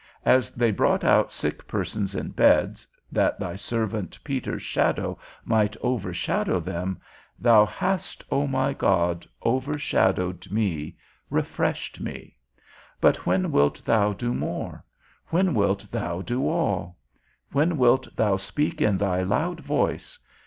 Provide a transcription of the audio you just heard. As they brought out sick persons in beds, that thy servant Peter's shadow might over shadow them, thou hast, O my God, over shadowed me, refreshed me; but when wilt thou do more? When wilt thou do all? When wilt thou speak in thy loud voice?